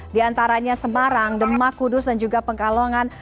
di antaranya semarang demak kudus dan juga pengkalongan